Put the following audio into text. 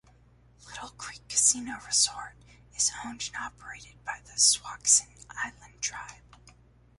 Little Creek Casino Resort is owned and operated by the Squaxin Island Tribe.